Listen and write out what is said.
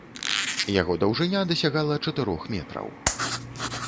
Яго даўжыня дасягала чатырох метраў.